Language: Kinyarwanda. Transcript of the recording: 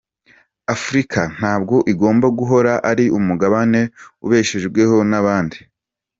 Afurika ntabwo igomba guhora ari umugabane ubeshejweho n’abandi.